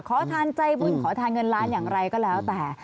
ขอทานใจบุญขอทานเงินล้านอย่างไรก็แล้วแต่